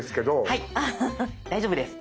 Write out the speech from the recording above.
はい大丈夫です。